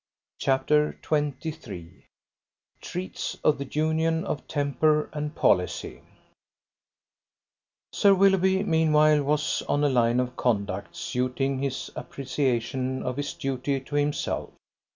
CHAPTER XXIII TREATS OF THE UNION OF TEMPER AND POLICY Sir Willoughby meanwhile was on a line of conduct suiting his appreciation of his duty to himself.